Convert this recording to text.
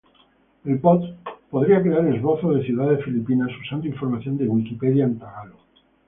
El bot podría crear esbozos de ciudades filipinas usando información de Wikipedia en tagalo.